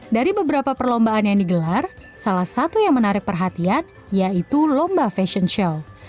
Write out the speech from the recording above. dari beberapa perlombaan yang digelar salah satu yang menarik perhatian yaitu lomba fashion show